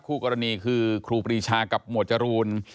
คู่กรณีคือครูปรีชากับหมวดจรูน